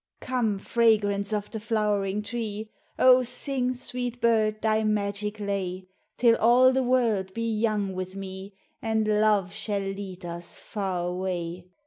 Come, Fragrance of the Flowering Tree, Oh, sing, sweet Bird, thy magic lay, Till all the world be young with me, And Love shall lead us far away.